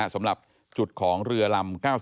สำหรับจุดของเรือลำ๙๐